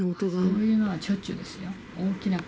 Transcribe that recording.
そういうのはしょっちゅうですね。